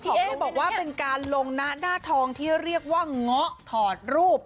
เอ๊บอกว่าเป็นการลงนะหน้าทองที่เรียกว่าเงาะถอดรูป